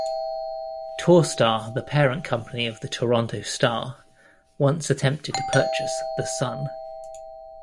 Torstar, the parent company of the "Toronto Star", once attempted to purchase the "Sun".